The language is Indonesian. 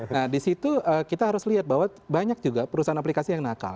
nah disitu kita harus lihat bahwa banyak juga perusahaan aplikasi yang nakal